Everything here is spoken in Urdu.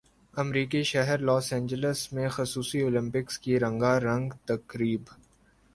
امریکی شہر لاس اینجلس میں خصوصی اولمپکس کی رنگا رنگ تقریب